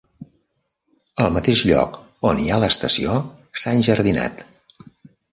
El mateix lloc on hi ha l'estació s'ha enjardinat.